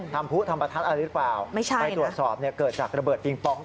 ผู้ทำประทัดอะไรหรือเปล่าไม่ใช่ไปตรวจสอบเนี่ยเกิดจากระเบิดปิงปอง